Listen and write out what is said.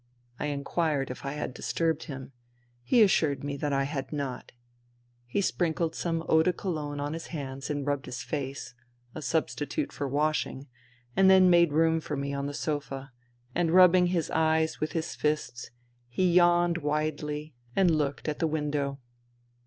I inquired if I had disturbed him. He assured me that I had not. He sprinkled some eau de Cologne on his hands and rubbed his face — a substitute for washing — ^then made room for me on the sofa, and rubbing his eyes with his fists he yawned widely and looked at the window.